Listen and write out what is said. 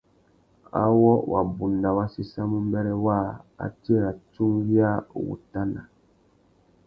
Awô wabunda wa séssamú mbêrê waā, a tira tsungüiawutana.